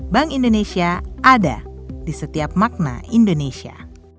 bank indonesia ada di setiap makna indonesia